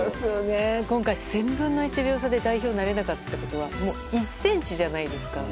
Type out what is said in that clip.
今回１０００分の１秒差で代表になれなかったって１ｃｍじゃないですか。